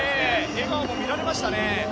笑顔も見られましたね。